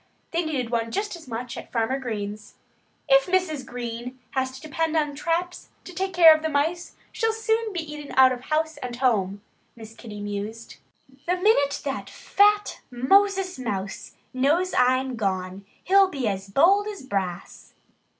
They needed one just as much at Farmer Green's. "If Mrs. Green has to depend on traps to take care of the mice she'll soon be eaten out of house and home," Miss Kitty mused. "The minute that fat Moses Mouse knows I'm gone he'll be as bold as brass."